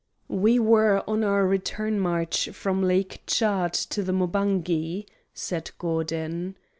"We were on our return march from Lake Tchad to the Mobangi," said Gordon.